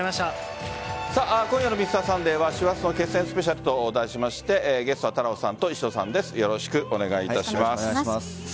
今夜のＭｒ．サンデーは師走の決戦スペシャルと題しまして、ゲストは太郎さんと石戸さんです。